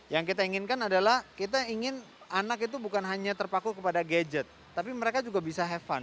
yang kita inginkan adalah kita ingin anak itu bukan hanya terpaku kepada gadget tapi mereka juga bisa have fund